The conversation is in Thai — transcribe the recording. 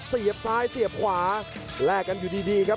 เสียบซ้ายเสียบขวาแลกกันอยู่ดีครับ